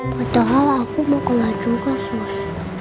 padahal aku mau keluar juga sus